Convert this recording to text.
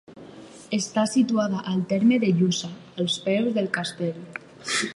Està situada al terme de Lluçà, als peus del castell.